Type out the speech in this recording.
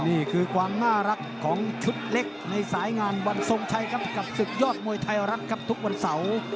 นี่คือความน่ารักของชุดเล็กในสายงานวันทรงชัยครับกับศึกยอดมวยไทยรัฐครับทุกวันเสาร์